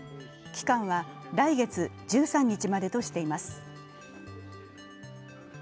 期間は来月１３日までとしています。